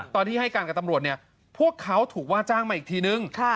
ตอนที่ให้การกับตำรวจเนี่ยพวกเขาถูกว่าจ้างมาอีกทีนึง